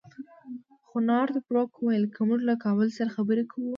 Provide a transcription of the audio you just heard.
خو نارت بروک وویل که موږ له کابل سره خبرې کوو.